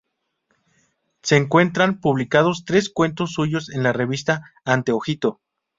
Se encuentran publicados tres cuentos suyos en la revista "Anteojito".